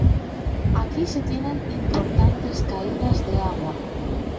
Aquí se tienen importantes caídas de agua.